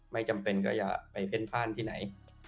ไม่จำเป็นก็จะไปเพ่นพ่านที่ไหน